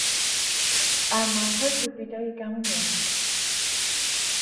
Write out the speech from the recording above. আর মাথার টুপিটায় এ কেমন রঙ!